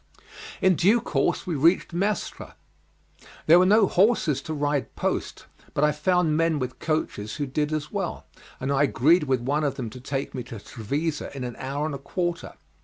In due course we reached Mestre. There were no horses to ride post, but I found men with coaches who did as well, and I agreed with one of them to take me to Trevisa in an hour and a quarter.